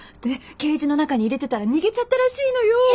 でケージの中に入れてたら逃げちゃったらしいのよ。